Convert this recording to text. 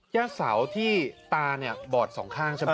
ย่าสาวที่ตาบอดสองข้างใช่ปะ